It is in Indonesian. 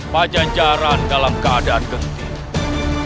pajanjaran dalam keadaan genting